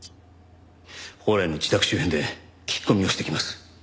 宝来の自宅周辺で聞き込みをしてきます。